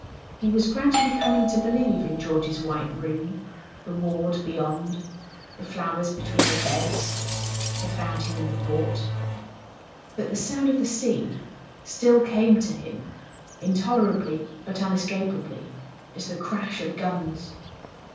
He was gradually coming to believe in George's white room, the ward beyond, the flowers between the beds, the fountain in the court; but the sound of the sea still came to him, intolerably but unescapably, as the crash of guns.